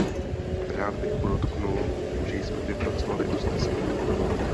Rád bych podotknul, že jsme vypracovali usnesení.